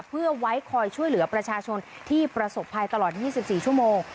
เพื่อไว้คอยช่วยเหลือประชาชนที่ประสบภัยตลอด๒๔ชั่วโมง